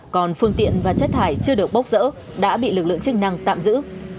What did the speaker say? còn phương tiện và chất thải chưa được bốc rỡ đã bị lực lượng chức năng tạm giữ